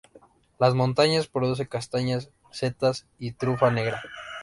La montaña, produce castañas, setas y trufa negra.